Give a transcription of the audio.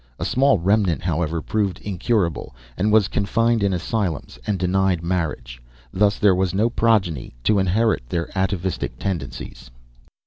A small remnant, however, proved incurable, and was confined in asylums and denied marriage. Thus there was no progeny to inherit their atavistic tendencies.